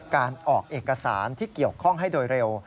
การออกเอกสารที่เกี่ยวข้องให้โดยเร็ว